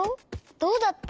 どうだった？